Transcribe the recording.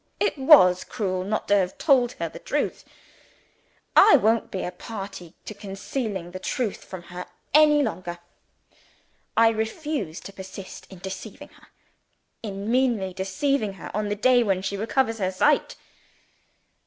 It was cruel not to have told her the truth. I won't be a party to concealing the truth from her any longer! I refuse to persist in deceiving her in meanly deceiving her on the day when she recovers her sight!"